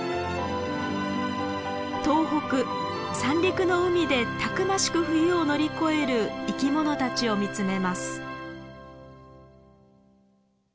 東北三陸の海でたくましく冬を乗り越える生きものたちを見つめます。